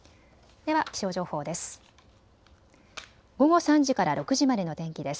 では気象情報です。